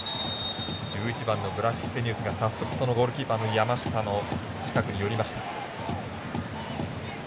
１１番のブラクステニウスがゴールキーパーの山下の近くに寄りました。